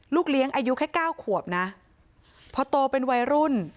ลูกเรียงอายุแค่๙ขวบพอโตเป็นวัยรุ่น